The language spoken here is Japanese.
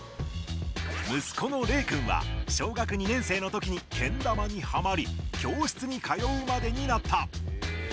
息子の礼くんは小学２年生のときにけん玉にハマり教室に通うまでになった。